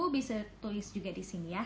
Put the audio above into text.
bisa tulis juga disini ya